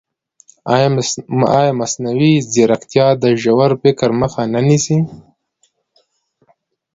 ایا مصنوعي ځیرکتیا د ژور فکر مخه نه نیسي؟